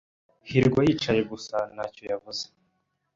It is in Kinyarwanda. hirwa yicaye gusa ntacyo yavuze.